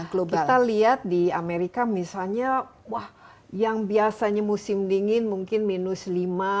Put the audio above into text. kalau kita lihat di amerika misalnya wah yang biasanya musim dingin mungkin minus lima